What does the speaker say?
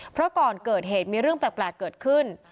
เพราะก่อนเกิดเหตุมีเรื่องแปลกเกิดขึ้น